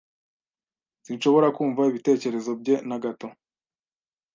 Sinshobora kumva ibitekerezo bye na gato.